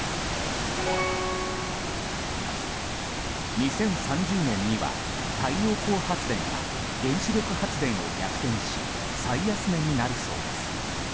２０３０年には太陽光発電が原子力発電を逆転し最安値になるそうです。